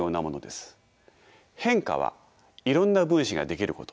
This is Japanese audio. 変化はいろんな分子が出来ること。